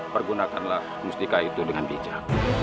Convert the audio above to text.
pergunakanlah mustika itu dengan bijak